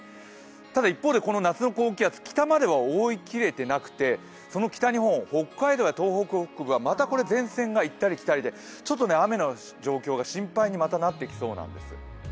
ただ一方で、この夏の高気圧北までは覆いきれてなくてその北日本、北海道や東北は前線が行ったり来たりで、ちょっと雨の状況がまた心配になってきそうなんです。